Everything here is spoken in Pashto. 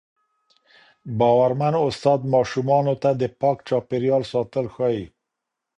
باورمن استاد ماشومانو ته د پاک چاپېریال ساتل ښووي.